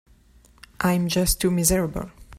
I'm just too miserable.